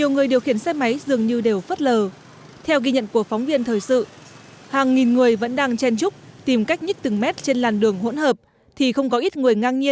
giờ cao điểm sáng